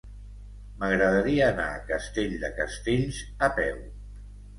M'agradaria anar a Castell de Castells a peu.